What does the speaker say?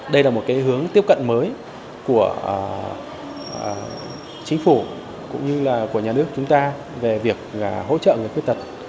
đây là một cái hướng tiếp cận mới của chính phủ cũng như là của nhà nước chúng ta về việc hỗ trợ người khuyết tật